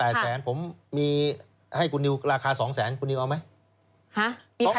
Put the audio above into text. ประมาณ๘แสนผมมีให้คุณนิวราคา๒แสนคุณนิวเอาไหม